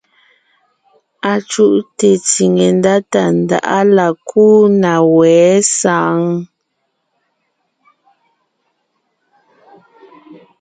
Acuʼte tsìŋe ndá Tàndáʼa la kúu na wɛ̌ saŋ ?